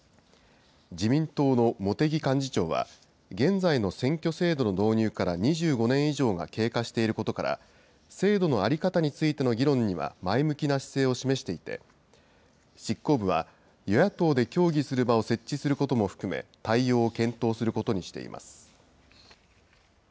自民党の茂木幹事長は、現在の選挙制度の導入から２５年以上が経過していることから、制度の在り方についての議論には前向きな姿勢を示していて、執行部は与野党で協議する場を設置することも含め、対応を検討することにしています。